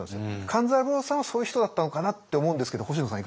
勘三郎さんはそういう人だったのかなと思うんですけど星野さん